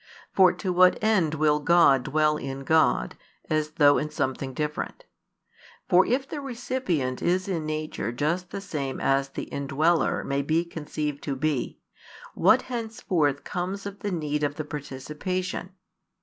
For to what end will God dwell in God, as though in something different? For if the recipient is in nature just the same as the indweller may be conceived to be, what henceforth becomes of the need of the participation?